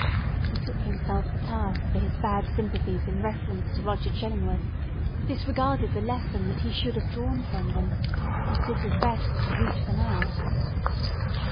He took himself to task for his bad sympathies in reference to Roger Chillingworth, disregarded the lesson that he should have drawn from them, and did his best to root them out.